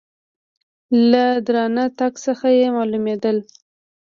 له درانه تګ څخه یې مالومېدل .